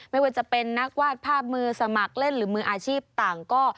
ไม่ว่าจะเป็นนักวาดภาพมือสมัครเล่นหรือมืออาชีพต่างก็